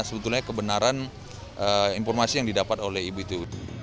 sebenarnya informasi yang didapat oleh ibu itu